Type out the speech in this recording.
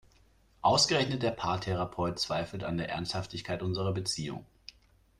Ausgerechnet der Paartherapeut zweifelt an der Ernsthaftigkeit unserer Beziehung!